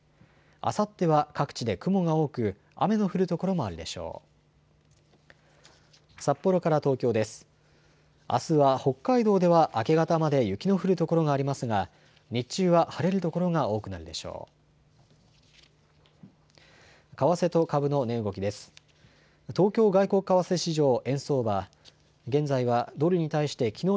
あすは北海道では明け方まで雪の降る所がありますが日中は晴れる所が多くなるでしょう。